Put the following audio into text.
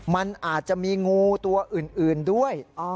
มันอาจจะมีงูตัวอื่นด้วย